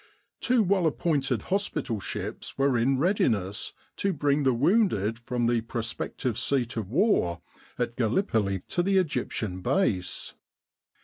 Two well appointed hospital ships were in readiness to bring the wounded from the prospective seat of war at Gallipoli to the Egyptian Base.